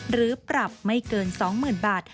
หรือปรับไม่เกิน๒๐๐๐บาท